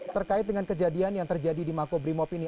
terkait dengan kejadian yang terjadi di mako bimob ini